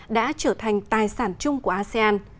đã trở thành tài sản chung của asean